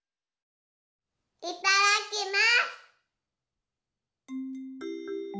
いただきます。